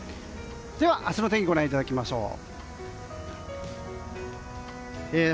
では、明日の天気ご覧いただきましょう。